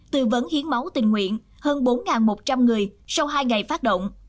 tư vấn hiến máu tình nguyện hơn bốn một trăm linh người sau hai ngày phát động